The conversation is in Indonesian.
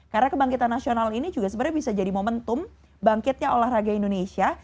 karena kebangkitan nasional ini juga sebenarnya bisa jadi momentum bangkitnya olahraga indonesia